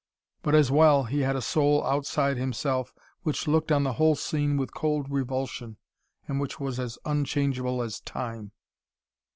But as well, he had a soul outside himself, which looked on the whole scene with cold revulsion, and which was as unchangeable as time.